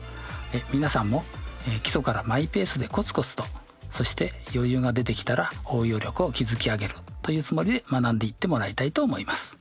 皆さんも基礎からマイペースでコツコツとそして余裕が出てきたら応用力を築き上げるというつもりで学んでいってもらいたいと思います。